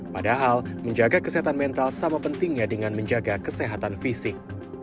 padahal menjaga kesehatan mental sama pentingnya dengan menjaga kesehatan fisik